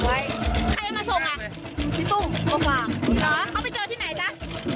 เรียนทางถนน